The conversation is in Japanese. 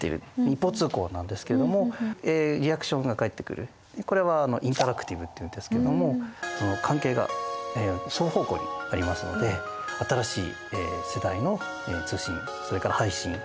一方通行なんですけれどもリアクションが返ってくるこれはインタラクティブっていうんですけども関係が双方向にありますので新しい世代の通信それから配信発信といった環境になってます。